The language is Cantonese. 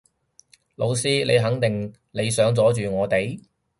老師你肯定你想阻止我哋？